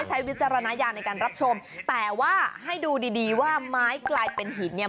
วิจารณญาณในการรับชมแต่ว่าให้ดูดีดีว่าไม้กลายเป็นหินเนี่ย